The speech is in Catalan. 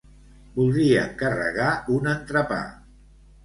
Voldria encarregar un entrepà.